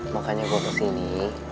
makanya gue kesini